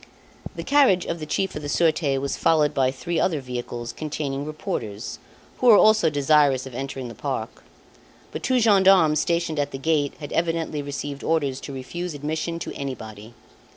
The carriage of the Chief of the Surete was followed by three other vehicles containing reporters, who were also desirous of entering the park. But two gendarmes stationed at the gate had evidently received orders to refuse admission to anybody.